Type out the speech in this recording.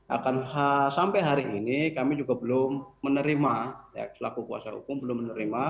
akan sampai hari ini kami juga belum menerima selaku kuasa hukum belum menerima